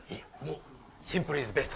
シンプルイズベスト。